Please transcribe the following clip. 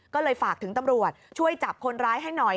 ก็เลยฝากถึงตำรวจช่วยจับคนร้ายให้หน่อย